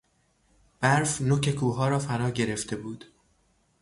برف نوک کوهها را فرا گرفته بود.